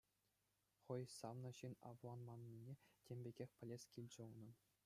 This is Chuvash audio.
Хӑй савнӑ ҫын авланманнине тем пекех пӗлес килчӗ унӑн.